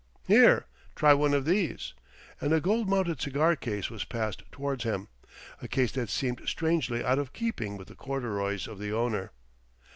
"Here, try one of these," and a gold mounted cigar case was passed towards him, a case that seemed strangely out of keeping with the corduroys of the owner.